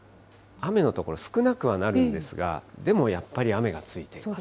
雨の所、少なくはなるんですが、でもやっぱり、雨がついています。